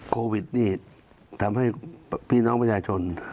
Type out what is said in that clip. โควิดนี่ทำให้พี่น้องประชาชน